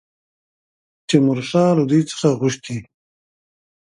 تیمورشاه له دوی څخه غوښتي دي.